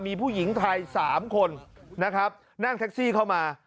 มีผู้หญิงไทย๓คนนะครับนั่งแท็กซี่เข้ามา